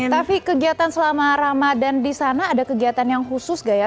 tapi kegiatan selama ramadan di sana ada kegiatan yang khusus nggak ya